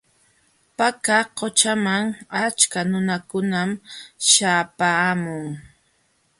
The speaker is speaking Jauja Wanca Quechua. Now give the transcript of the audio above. Paka qućhaman achka nunakunam śhapaamun.